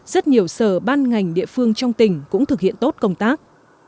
rất nhiều sở ban ngành địa phương trong tỉnh cũng thực hiện tốt công tác